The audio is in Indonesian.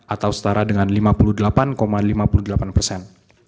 atau setara dengan lima puluh delapan lima puluh delapan persen